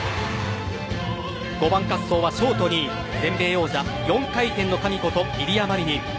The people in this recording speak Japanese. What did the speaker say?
５番滑走はショート２位全米王者・４回転の神ことイリア・マリニン。